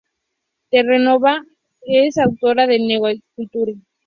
Terranova es autora de "Network Culture.